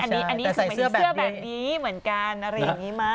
แต่ใส่เสื้อแบบนี้เหมือนกันอะไรอย่างนี้มั้ง